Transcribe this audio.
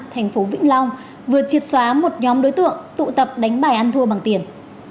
thành phố vĩnh long vừa triệt xóa một nhóm đối tượng tụ tập đánh bài ăn thua bằng tiền